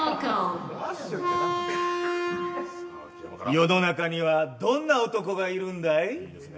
世の中にはどんな男がいるんだい。